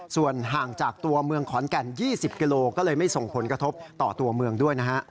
ส่วนห่างจากตัวเมืองขอนแก่น๒๐กิโลก็เลยไม่ส่งผลกระทบต่อตัวเมืองด้วยนะฮะ